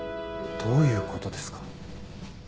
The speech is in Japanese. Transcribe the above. どういうことですか？